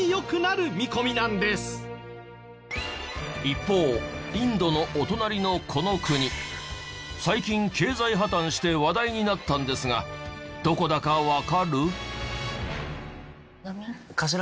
一方インドのお隣のこの国最近経済破綻して話題になったんですがどこだかわかる？